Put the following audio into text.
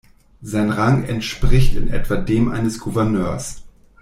Sein Rang entspricht in etwa dem eines Gouverneurs.